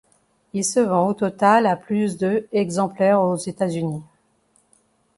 Il se vend au total à plus de exemplaires aux États-Unis.